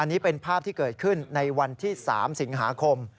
อันนี้เป็นภาพที่เกิดขึ้นในวันที่๓สิงหาคม